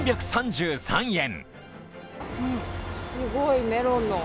３３３円。